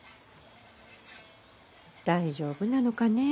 大丈夫なのかね。